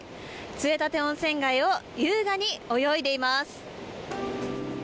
杖立温泉街を優雅に泳いでいます。